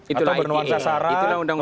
itu adalah itm